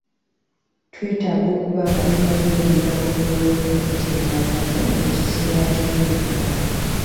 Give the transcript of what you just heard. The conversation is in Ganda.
Twetaaga okuba nga tumanyi olugambo lw'okumutimbagano mu kiseera ky'omuggalo